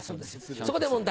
そこで問題。